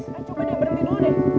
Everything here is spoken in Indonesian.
saya coba deh berhenti dulu deh